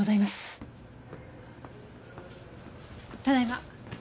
ただいま。